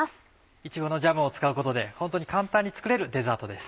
いちごのジャムを使うことでホントに簡単に作れるデザートです。